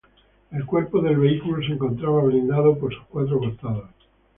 El cuerpo del vehículo se encontraba blindado por sus cuatro costados.